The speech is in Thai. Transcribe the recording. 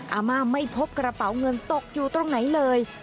อาม่าไม่พบกระเป๋าเงินตกอยู่ตรงไหนเลย